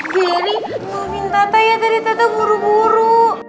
geri gua minta tata ya dari tata buru buru